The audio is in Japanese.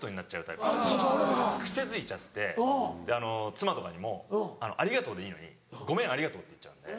妻とかにも「ありがとう」でいいのに「ごめんありがとう」って言っちゃうんで。